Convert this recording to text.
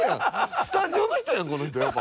スタジオの人やんこの人やっぱ。